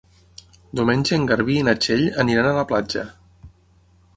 Diumenge en Garbí i na Txell aniran a la platja.